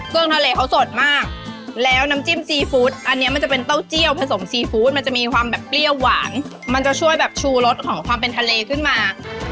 เครื่องทะเลเขาสดมากแล้วน้ำจิ้มซีฟู้ดอันนี้มันจะเป็นเต้าเจียวผสมซีฟู้ดมันจะมีความแบบเปรี้ยวหวานมันจะช่วยแบบชูรสของความเป็นทะเลขึ้นมา